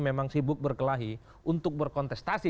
memang sibuk berkelahi untuk berkontestasi